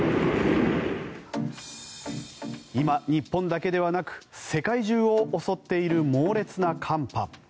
今、日本だけではなく世界中を襲っている猛烈な寒波。